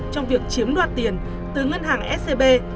trong việc chiếm đoạt tiền từ ngân hàng scb